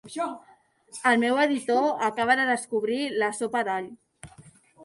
El meu editor acaba de descobrir la sopa d'all.